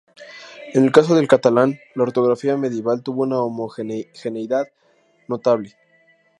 En el caso del catalán, la ortografía medieval tuvo una homogeneidad notable.